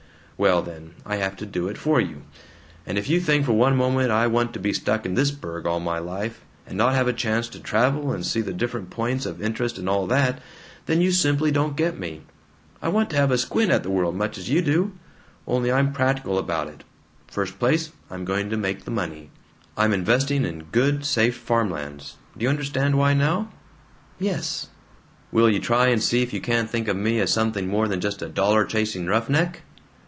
"Well then, I have to do it for you. And if you think for one moment I want to be stuck in this burg all my life, and not have a chance to travel and see the different points of interest and all that, then you simply don't get me. I want to have a squint at the world, much's you do. Only, I'm practical about it. First place, I'm going to make the money I'm investing in good safe farmlands. Do you understand why now?" "Yes." "Will you try and see if you can't think of me as something more than just a dollar chasing roughneck?"